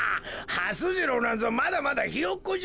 はす次郎なんぞまだまだひよっこじゃ。